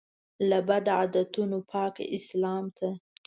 له بدعتونو پاک اسلام ته.